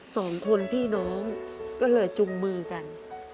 สองคนพี่น้องก็เลยจุงมือกัน